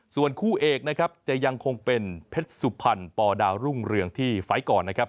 ส่วนคู่เอกนะครับจะยังคงเป็นเพชรสุพรรณปอดาวรุ่งเรืองที่ไฟล์ก่อนนะครับ